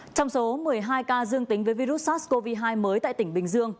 trong số một mươi hai ca dương tính với virus sars cov hai mới tại tỉnh bình dương